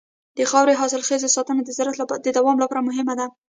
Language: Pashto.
د خاورې د حاصلخېزۍ ساتنه د زراعت د دوام لپاره مهمه ده.